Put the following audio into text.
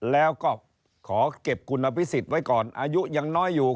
แล้วก็ขอเก็บคุณอภิษฎไว้ก่อนอายุยังน้อยอยู่